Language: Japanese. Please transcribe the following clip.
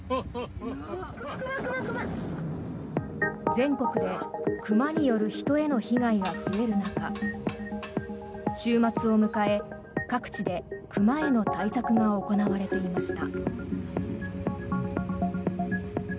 全国で熊による人への被害が増える中週末を迎え、各地で熊への対策が行われていました。